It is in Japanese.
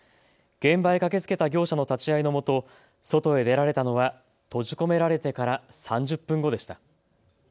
現場に駆けつけた業者の立ち会いのもと外へ出られたのは閉じ込められてから３０分後でした。